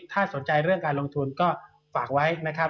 ถ้าสนใจเรื่องการลงทุนก็ฝากไว้นะครับ